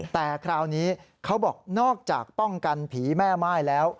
แต่คราวนี้เขาบอกนอกจากป้องกันผีแม่ม่ายแล้ว